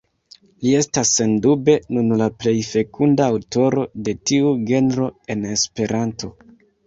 Li estas sendube nun la plej fekunda aŭtoro de tiu genro en Esperanto.